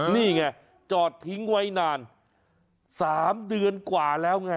นี่ไงจอดทิ้งไว้นาน๓เดือนกว่าแล้วไง